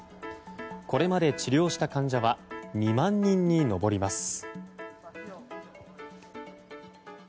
これまで治療した患者は２万人に上ります。